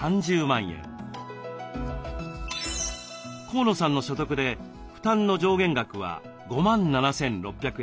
河野さんの所得で負担の上限額は５万７，６００円。